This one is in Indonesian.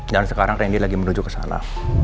dan sekarang randy lagi menuju ke sana